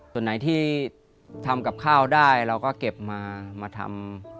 ส่วนไหนที่ทำกับข้าวได้เราก็เก็บมามาทำ